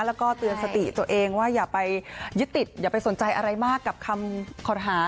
แล้วก็เตือนสติตัวเองว่าอย่าไปยึดติดอย่าไปสนใจอะไรมากกับคำขอหา